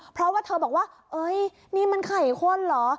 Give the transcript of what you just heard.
เพราะว่าเธอบอกว่าเอ้ยนี่มันไข่ข้นเหรอ